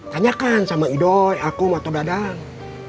tanyakan sama idoi akum atau dadang